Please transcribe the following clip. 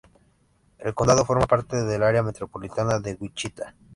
El condado forma parte del área metropolitana de Wichita.